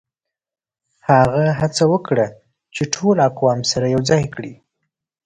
هغه هڅه وکړه چي ټول اقوام سره يو کړي.